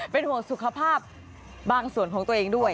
เป็นห่วงสุขภาพบางส่วนของตัวเองด้วย